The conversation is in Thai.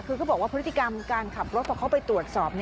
คือเขาบอกว่าพฤติกรรมการขับรถพอเขาไปตรวจสอบ